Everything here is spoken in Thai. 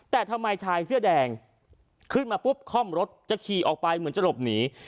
แต่ทำไมชายเสื้อแดงขึ้นมาปุ๊บค่อมรถจะขี่ออกไปเหมือนจะหลบหนี